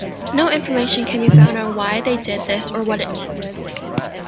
No information can be found on why they did this or what it means.